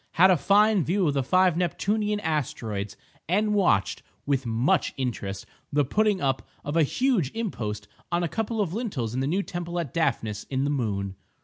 Had a fine view of the five Neptunian asteroids, and watched with much interest the putting up of a huge impost on a couple of lintels in the new temple at Daphnis in the moon.